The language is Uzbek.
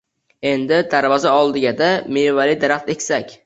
Endi, darvoza oldiga-da mevali daraxt eksak.